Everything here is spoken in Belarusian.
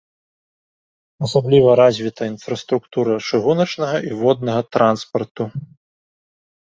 Асабліва развіта інфраструктура чыгуначнага і воднага транспарту.